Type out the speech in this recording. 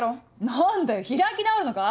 何だよ開き直るのか？